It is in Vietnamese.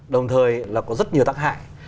đồng thời là có rất nhiều tác hại